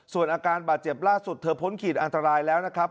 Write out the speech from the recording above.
ส่วนอาการบาดเจ็บล่าสุดเธอพ้นขีดอันตรายแล้วนะครับ